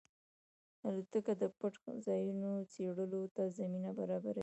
الوتکه د پټ ځایونو څېړلو ته زمینه برابروي.